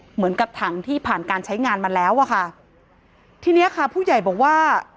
เหมือนกับถังที่ผ่านการใช้งานมาแล้วอะค่ะทีเนี้ยค่ะผู้ใหญ่บอกว่า